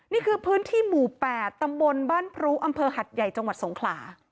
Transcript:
นี่คือพื้นที่หมู่๘ตำบลบ้านพรุอำเภอหัดใหญ่จังหวัดสงขลา